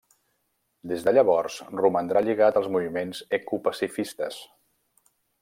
Des de llavors romandrà lligat als moviments ecopacifistes.